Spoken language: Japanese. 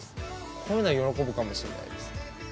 こういうのは喜ぶかもしれないです。